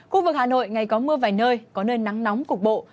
khu vực hà nội ngày có mưa vài nơi có nơi nắng nóng cục bộ